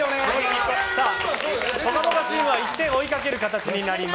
「ぽかぽか」チームは１点追いかける形です。